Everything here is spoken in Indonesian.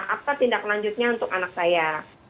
apa tindak laku selanjutnya untuk anak saya